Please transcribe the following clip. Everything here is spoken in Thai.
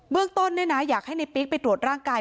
เบื้องต้นเนี่ยนะอยากให้ในปิ๊กไปตรวจร่างกาย